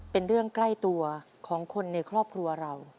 เป็นเรื่องใกล้ตัวของคนในครอบครัวเรา